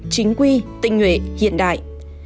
chính quy tình nhuệ hiện đại